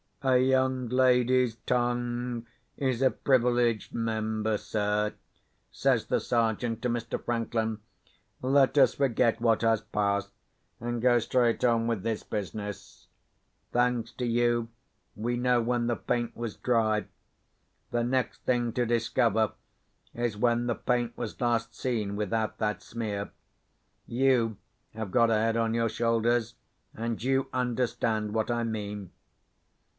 "A young lady's tongue is a privileged member, sir," says the Sergeant to Mr. Franklin. "Let us forget what has passed, and go straight on with this business. Thanks to you, we know when the paint was dry. The next thing to discover is when the paint was last seen without that smear. You have got a head on your shoulders—and you understand what I mean."